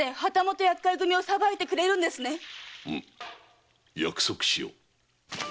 うん。約束しよう。